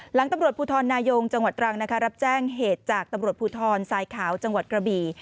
หลังตำรวจภูทรนายงจังหวัดตรังนะคะรับแจ้งเหตุจากตำรวจภูทรสายขาวจังหวัดกระบี่